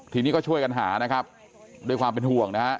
ทีนี้ก็ช่วยกันหานะครับด้วยความเป็นห่วงนะฮะ